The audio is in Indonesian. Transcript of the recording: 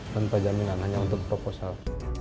tanpa jaminan hanya untuk proposal